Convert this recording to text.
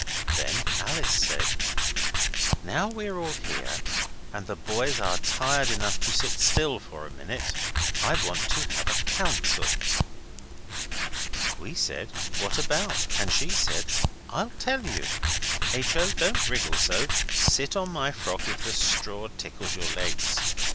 Then Alice said 'Now we're all here, and the boys are tired enough to sit still for a minute, I want to have a council.' We said what about? And she said, 'I'll tell you.' H. O., don't wriggle so; sit on my frock if the straws tickle your legs.